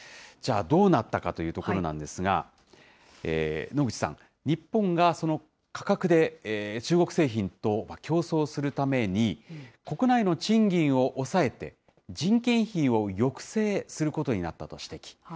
じゃあ、どうなったかというところなんですが、野口さん、日本が価格で中国製品と競争するために、国内の賃金を抑えて、人件費を抑制することになったと指摘。